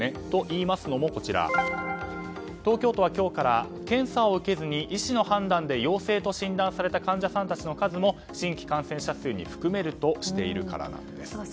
といいますのも東京都は今日から検査を受けずに医師の判断で陽性と診断された患者さんたちの数も新規感染者数に含めるとしているからなんです。